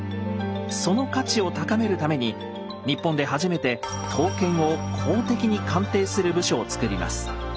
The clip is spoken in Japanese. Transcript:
その価値を高めるために日本で初めて刀剣を公的に鑑定する部署を作ります。